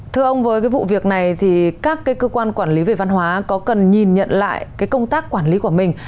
thưa ông với vụ việc này thì các cơ quan quản lý về văn hóa có cần nhìn nhận lại công tác quản lý của mình